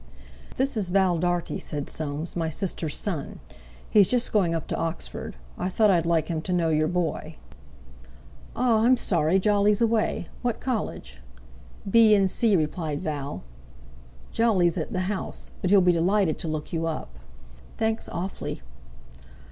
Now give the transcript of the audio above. "This is Val Dartie," said Soames, "my sister's son. He's just going up to Oxford. I thought I'd like him to know your boy." "Ah! I'm sorry Jolly's away. What college?" "B.N.C.," replied Val. "Jolly's at the 'House,' but he'll be delighted to look you up." "Thanks awfully."